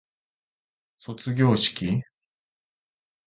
卒業式